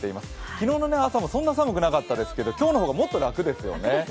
昨日の朝もそんな寒くなかったですけど、今日の方がもっと楽ですよね。